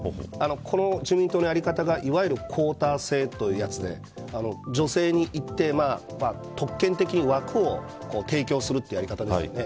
この自民党のやり方がいわゆるクオーター制というやつで女性に特権的枠を提供するというやり方ですよね。